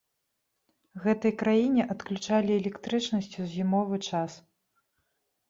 Гэтай краіне адключалі электрычнасць у зімовы час.